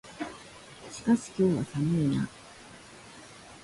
しかし、今日は寒いな。